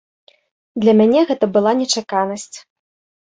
Для мяне гэта была нечаканасць.